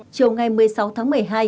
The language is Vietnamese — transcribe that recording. chiều ngày một mươi sáu tháng một mươi hai